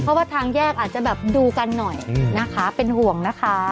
เพราะว่าทางแยกอาจจะแบบดูกันหน่อยนะคะเป็นห่วงนะคะ